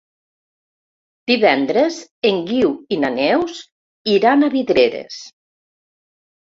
Divendres en Guiu i na Neus iran a Vidreres.